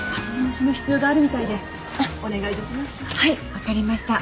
分かりました。